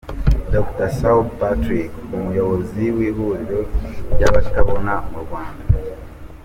Dr Suubi Patrick umuyobozi w'ihuriro ry'abatabona mu Rwanda.